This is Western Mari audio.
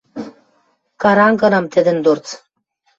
Карангынам тӹдӹн дорц!